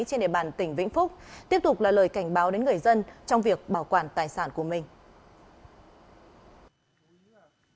trên địa bàn tỉnh vĩnh phúc tiếp tục là lời cảnh báo đến người dân trong việc bảo quản tài sản của mình